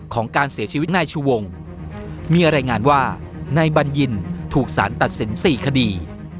ของการเสียชีวิตในชูวงมีแรงงานว่าในบัญญินถูกสารตัดสินสี่คดี